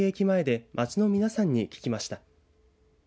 前で街の皆さんに聞きました。